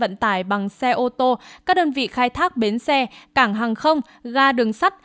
vận tải bằng xe ô tô các đơn vị khai thác bến xe cảng hàng không ga đường sắt